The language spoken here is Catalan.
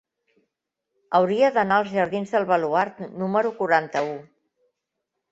Hauria d'anar als jardins del Baluard número quaranta-u.